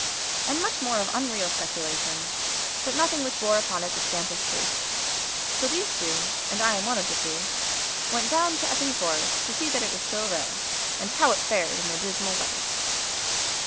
And much more of unreal speculation, but nothing which bore upon it the stamp of truth. So these two and I am one of the two went down to Epping Forest to see that it was still there, and how it fared in the dismal weather.